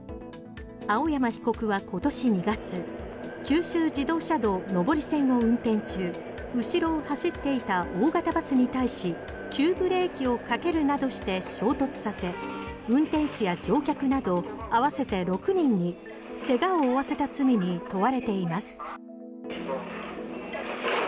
青山被告は今年２月九州自動車道上り線の運転中後ろを走っていた大型バスに対し急ブレーキをかけるなどして衝突させ運転手や乗客など合わせて６人に怪我を負わせた罪に問われています。